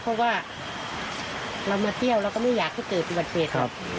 เพราะว่าเรามาเที่ยวเราก็ไม่อยากจะเจอปีบัดเวช